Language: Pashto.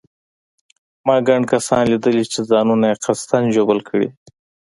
ما ګڼ کسان لیدلي چې ځانونه یې قصداً ژوبل کړي.